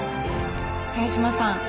萱島さん